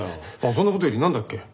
そんな事よりなんだっけ？